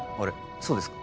そうですか？